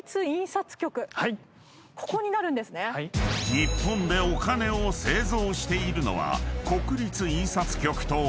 ［日本でお金を製造しているのは］